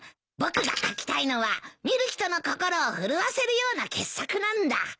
僕が描きたいのは見る人の心を震わせるような傑作なんだ。